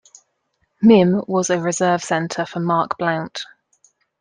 Mihm was a reserve center for Mark Blount.